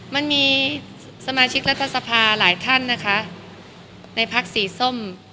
มันมีสมาชิกรัฐสภาหลายท่านนะคะในพักสีส้ม